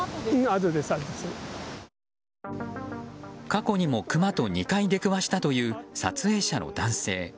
過去にもクマと、２回出くわしたという撮影者の男性。